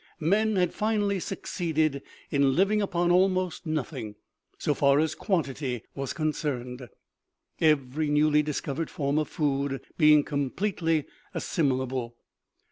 Men had finally succeeded in living iipon almost nothing, so far as quantity was concerned ; every newly discovered form of food being completely assimilable.